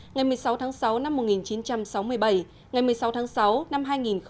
ngày một mươi sáu tháng sáu năm một nghìn chín trăm sáu mươi bảy ngày một mươi sáu tháng sáu năm hai nghìn một mươi chín